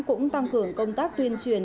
cũng tăng cường công tác tuyên truyền